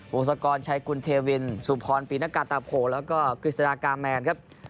วงศักรณ์ชายคุณเทวินสุภรปิณกาตาโภแล้วก็คริสตานากามแมนครับ